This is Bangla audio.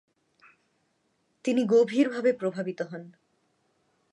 তিনি গভীরভাবে প্রভাবিত হন।